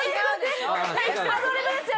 アドリブですよ